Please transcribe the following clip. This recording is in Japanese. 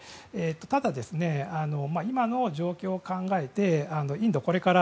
ただ、今の状況を考えてインドはこれから